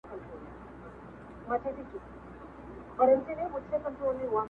تل له نوي کفن کښه څخه ژاړي٫